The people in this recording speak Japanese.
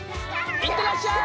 いってらっしゃい！